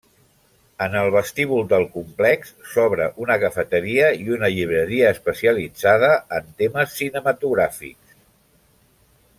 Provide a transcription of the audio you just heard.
En el vestíbul del complex s'obre una cafeteria i una llibreria especialitzada en temes cinematogràfics.